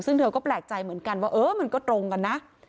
ซึ่งเธอก็แปลกใจเหมือนกันว่าเออมันก็ตรงกันนะ